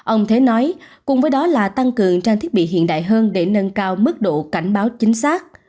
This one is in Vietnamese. ông thế nói cùng với đó là tăng cường trang thiết bị hiện đại hơn để nâng cao mức độ cảnh báo chính xác